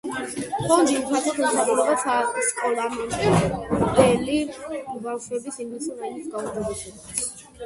ფონდი უფასოდ ემსახურება სკოლამდელი ბავშვების ინგლისური ენის გაუმჯობესებას.